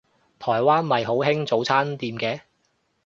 台灣咪好興早餐店嘅